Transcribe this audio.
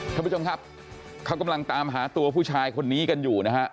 ท่านผู้ชมครับเขากำลังตามหาตัวผู้ชายคนนี้กันอยู่นะฮะ